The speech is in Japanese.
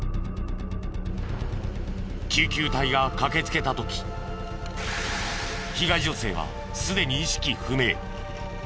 救急隊が駆けつけた時被害女性はすでに意識不明。